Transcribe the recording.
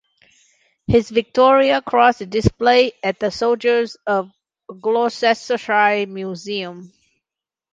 His Victoria Cross is displayed at the Soldiers of Gloucestershire Museum.